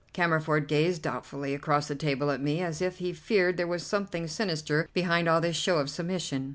Cammerford gazed doubtfully across the table at me, as if he feared there was something sinister behind all this show of submission.